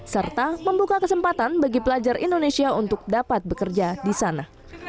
serta membuka kesempatan bagi pelajar indonesia untuk dapat bekerja di sana